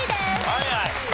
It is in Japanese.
はいはい。